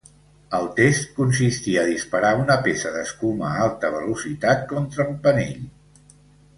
El test consistí a disparar una peça d'escuma a alta velocitat contra el panell.